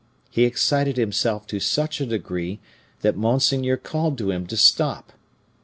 He excited himself to such a degree that monseigneur called to him to stop.